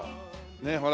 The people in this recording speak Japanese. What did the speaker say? ねえほら。